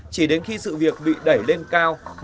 chỉ đến khi sự việc bị đẩy lên cao